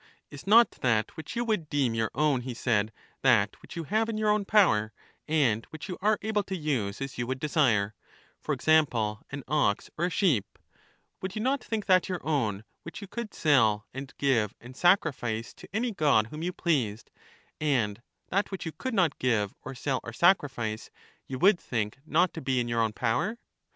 Is not that which you would deem your own, he said, that which you have in your own power, and which you are able to use as you would desire, for example, an ox or a sheep — would j^ou not think that your own which you could sell and give and sacrifice to any god whom you pleased, and that which you could not give or sell or sacrifice you would think not to be in your own power?